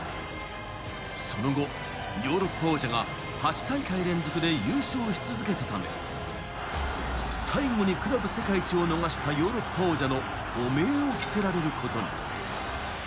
その後、ヨーロッパ王者が８大会連続で優勝し続けたため、最後にクラブ世界一を逃したヨーロッパ王者の汚名を着せられることに。